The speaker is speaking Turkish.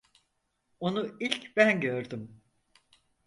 Onu ilk ben gördüm.